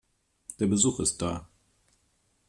Der Besuch ist da.